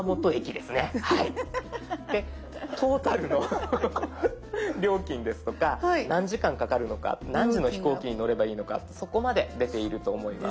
でトータルの料金ですとか何時間かかるのか何時の飛行機に乗ればいいのかそこまで出ていると思います。